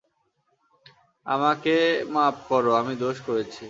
আমাকে মাপ করো, আমি দোষ করেছি।